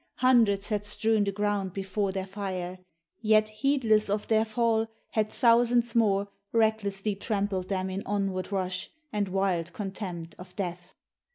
Hundreds had strewn the ground before their fire; Yet, heedless of their fall, had thousands more Recklessly trampled them in onward rush, And wild contempt of death.